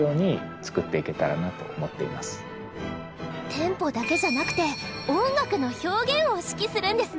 テンポだけじゃなくて音楽の表現を指揮するんですね。